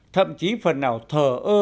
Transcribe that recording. thậm chí phần nào thờ ơ